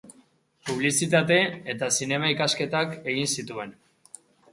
Publizitate eta Zinema ikasketak egin zituen.